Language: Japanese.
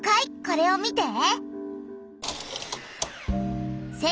これを見て。